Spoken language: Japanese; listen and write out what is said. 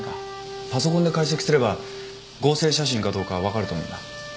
パソコンで解析すれば合成写真かどうか分かると思うんだ。